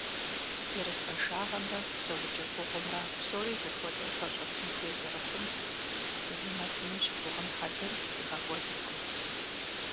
Ерыскъыншагъэмрэ псэукӏэ гугъумрэ псори зэхуэдэу пэщӏэтын хуей зэрыхъум зым адрейм щыгугъын хьэлыр фӏигъэкӏуэдыркъым.